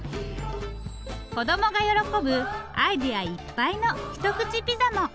子どもが喜ぶアイデアいっぱいのひとくちピザも！